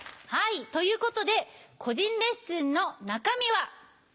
はいということで個人レッスンの中身は。